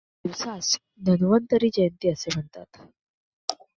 या दिवसास धन्वंतरी जयंती असेही म्हणतात.